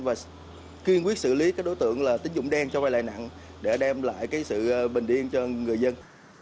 và kiên quyết xử lý các đối tượng tính dụng đen cho vai lại nặng để đem lại sự bình yên cho người dân